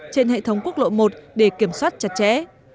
trên hệ thống quốc lộ một để kiểm soát chặt chẽ